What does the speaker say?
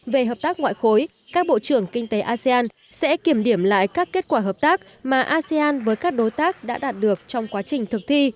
về hợp tác ngoại khối các bộ trưởng kinh tế asean sẽ kiểm điểm lại các kết quả hợp tác mà asean với các đối tác đã đạt được trong quá trình thực thi